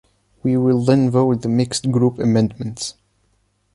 We will then vote the Mixed Group amendments.